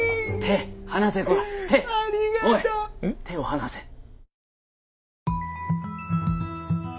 手を離せ。